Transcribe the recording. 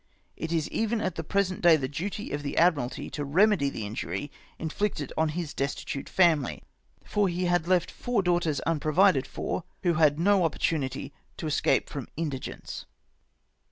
It is even at the present day the duty of the Admiralty to remedy the injury in flicted on his destitute family — for he had left four daughters unprovided for, who had no opportumty to escape from indigence.